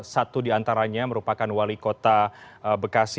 satu diantaranya merupakan wali kota bekasi